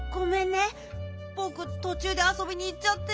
ぼくとちゅうであそびにいっちゃって。